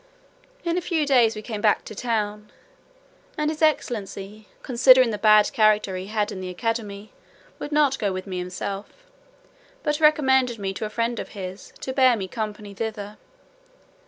In a few days we came back to town; and his excellency, considering the bad character he had in the academy, would not go with me himself, but recommended me to a friend of his, to bear me company thither.